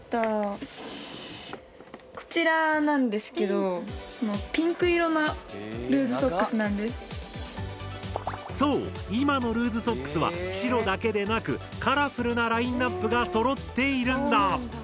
こちらなんですけどそう今のルーズソックスは白だけでなくカラフルなラインナップがそろっているんだ。